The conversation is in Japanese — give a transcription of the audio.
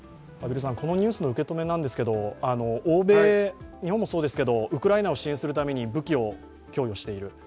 このニュースの受け止めなんですけど、欧米、日本もそうですけどウクライナを支援するために武器を供与している。